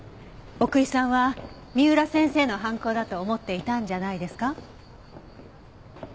奥居さんは三浦先生の犯行だと思っていたんじゃないですか？